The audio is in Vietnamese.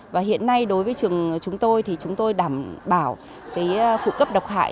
và hiện nay đối với trường chúng tôi thì chúng tôi đảm bảo cái phụ cấp độc hại